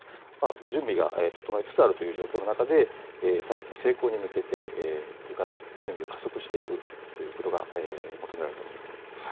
準備が整いつつあるという状況の中でサミットの成功に向けてこれから準備を加速していくということが求められると思います。